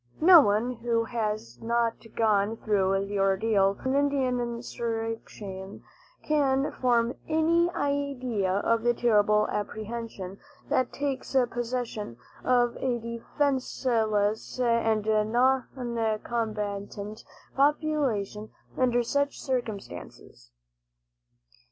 No one who has not gone through the ordeal of an Indian insurrection can form any idea of the terrible apprehension that takes possession of a defenseless and noncombatant population under such circumstances.